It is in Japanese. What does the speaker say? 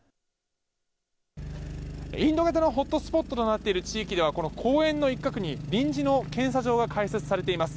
インド型のホットスポットとなっている地域ではこの公園の一角に臨時の検査場が開設されています。